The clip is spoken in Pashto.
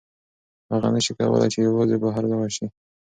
هغه نشي کولی چې یوازې بهر لاړه شي.